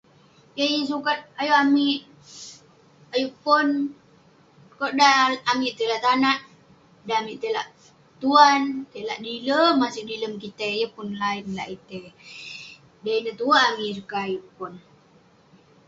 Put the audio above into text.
Yah yeng sukat amik ayuk pon ; konak dan amik tai lak tanak, dan amik tai lak tuan. Tai lak dilem, maseg dilem kitei. Yeng pun line lak itei. Dan ineh tue amik yeng sukat ayuk pon.